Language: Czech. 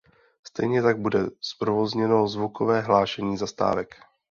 Stejně tak bude zprovozněno zvukové hlášení zastávek.